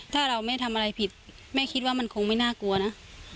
ถ้าเราไม่ทำอะไรผิดแม่คิดว่ามันคงไม่น่ากลัวนะ